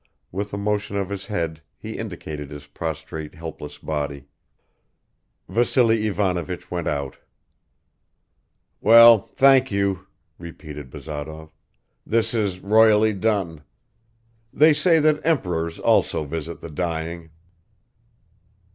." With a motion of his head he indicated his prostrate helpless body. Vassily Ivanovich went out. "Well, thank you," repeated Bazarov. "This is royally done. They say that emperors also visit the dying."